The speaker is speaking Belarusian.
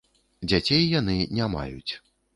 Дзяцей яны не маюць.